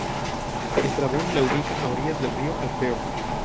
Estrabón la ubica a orillas del río Alfeo.